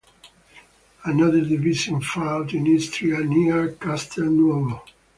Another division fought in Istria near Castelnuovo.